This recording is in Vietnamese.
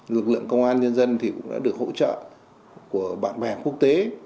lực lượng công an nhân dân cũng đã được hỗ trợ của bạn bè quốc tế